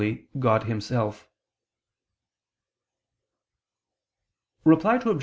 God Himself. Reply Obj.